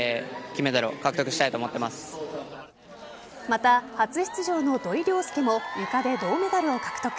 また、初出場の土井陵輔もゆかで銅メダルを獲得。